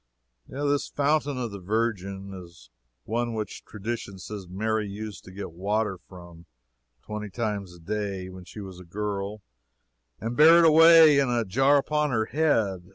This "Fountain of the Virgin" is the one which tradition says Mary used to get water from, twenty times a day, when she was a girl, and bear it away in a jar upon her head.